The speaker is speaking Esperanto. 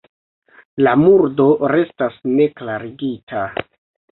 La murdo restas neklarigita.